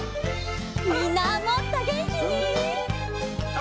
みんなもっとげんきに。